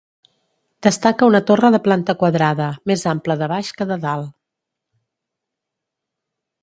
Destaca una torre de planta quadrada, més ampla de baix que de dalt.